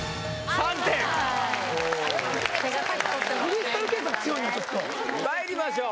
３点まいりましょう